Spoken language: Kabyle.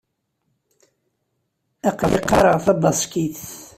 Aql-i qqareɣ tabaṣkit.